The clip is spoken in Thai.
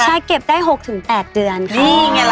ใช่เก็บได้๖๘เดือนค่ะ